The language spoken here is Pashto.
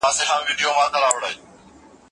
ولاړم بندیوانه زولنې راپسي مه ګوره